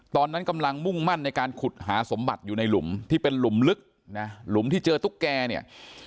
ตอนนั้นกำลังมุ่งมั่นในการขุดหาสมบัติอยู่ในหลุมที่เป็นหลุมลึกนะหลุมที่เจอตุ๊กแกเนี่ย